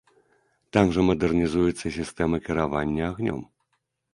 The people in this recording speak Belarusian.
Там жа мадэрнізуецца сістэма кіравання агнём.